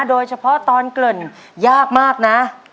โดยเฉพาะตอนเกริ่นยากมากนะ